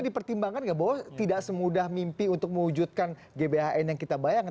dipertimbangkan nggak bahwa tidak semudah mimpi untuk mewujudkan gbhn yang kita bayangkan